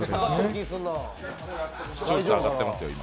視聴率上がってますよ、今。